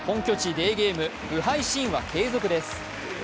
デーゲーム不敗神話継続です。